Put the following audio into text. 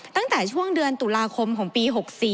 ตั้งแต่ช่วงเดือนตุลาคมของปี๖๔